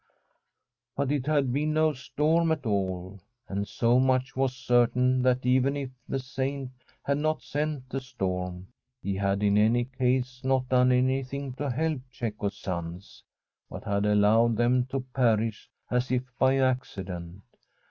But it had been no storm at all. And so much was certain, that even if the Saint had not sent the storm, he had, in any case, not done any thing to help Cecco's sons, but had allowed them to perish as if by accident.